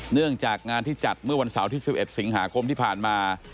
เนื่องจากงานที่จัดเมื่อวันเสาร์ที่๑๑สิงหาคมที่ผ่านมา